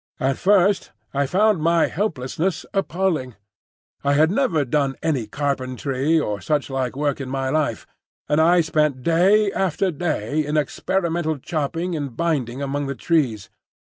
At first, I found my helplessness appalling. I had never done any carpentry or such like work in my life, and I spent day after day in experimental chopping and binding among the trees.